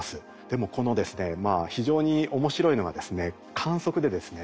でもこのですね非常に面白いのがですね観測でですね